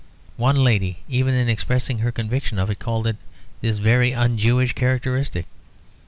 One lady, even in expressing her conviction of it, called it "this very un Jewish characteristic."